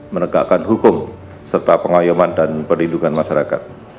menegakkan hukum serta pengayoman dan perlindungan masyarakat